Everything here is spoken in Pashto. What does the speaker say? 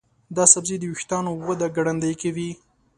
دا سبزی د ویښتانو وده ګړندۍ کوي.